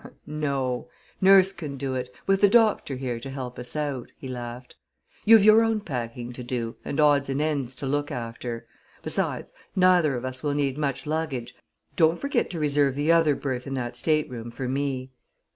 "No; nurse can do it, with the doctor here to help us out," he laughed. "You've your own packing to do, and odds and ends to look after. Besides, neither of us will need much luggage. Don't forget to reserve the other berth in that stateroom for me."